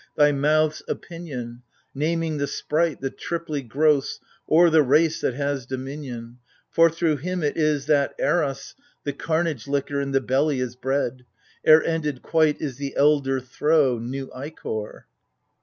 129 Thy mouth's opinion, — Naming the Sprite, The triply gross, O'er the race that has dominion : For through him it is that Eros The camage licker In the belly is bred : ere ended quite Is the elder throe — new ichor